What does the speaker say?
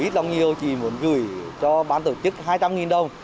của ít lòng nhiều chị muốn gửi cho bán tổ chức hai trăm linh đồng